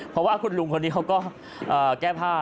เพราะว่าคุณลุงคนนี้เขาก็แก้ผ้า